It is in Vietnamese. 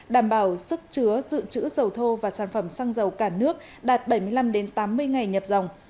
đảm bảo sức chứa dự trữ dầu thô và sản phẩm xăng dầu cả nước đạt bảy mươi năm tám mươi ngày nhập dòng